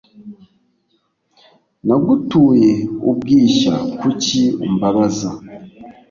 Nagutuye ubwishya, kuki umbabaza